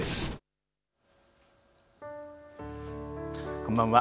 こんばんは。